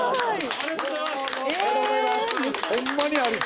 ありがとうございます。